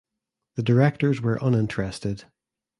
The Directors were uninterested.